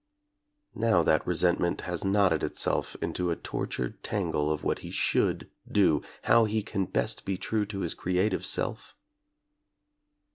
Now that resent ment has knotted itself into a tortured tangle of what he should do, how he can best be true to his creative self?